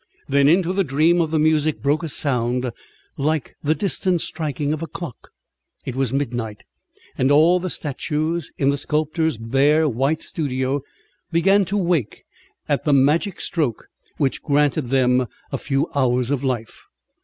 Then, into the dream of the music broke a sound like the distant striking of a clock. It was midnight, and all the statues in the sculptor's bare, white studio began to wake at the magic stroke which granted them a few hours of life.